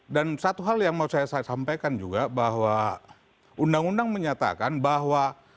dan satu hal yang mau saya sampaikan juga bahwa undang undang menyatakan bahwa